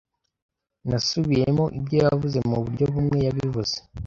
Nasubiyemo ibyo yavuze, muburyo bumwe yabivuze.